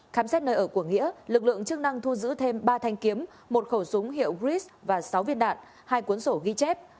khám xét nơi ở của nghĩa lực lượng chức năng thu giữ thêm ba thanh kiếm một khẩu súng hiệu gris và sáu viên đạn hai cuốn sổ ghi chép